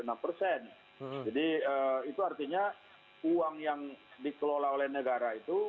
jadi itu artinya uang yang dikelola oleh negara itu